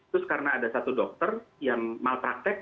terus karena ada satu dokter yang malpraktek